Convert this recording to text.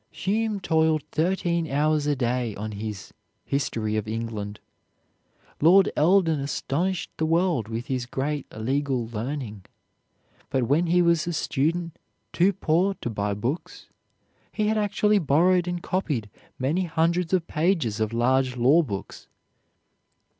Hume toiled thirteen hours a day on his "History of England." Lord Eldon astonished the world with his great legal learning, but when he was a student too poor to buy books, he had actually borrowed and copied many hundreds of pages of large law books.